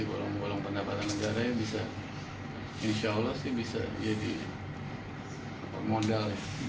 golong golong pendapatan negara yang bisa insya allah sih bisa jadi modal